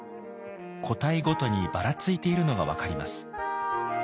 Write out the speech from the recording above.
個体ごとにばらついているのが分かります。